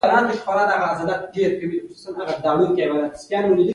دا ډول اوبه کول په وچو سیمو کې ډېره ګټه لري.